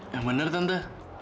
yang bener tante